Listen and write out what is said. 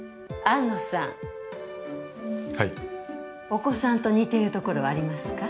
お子さんと似ているところはありますか？